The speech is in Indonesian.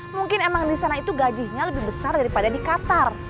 mungkin emang di sana itu gajinya lebih besar daripada di qatar